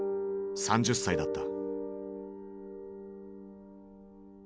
３０歳だった。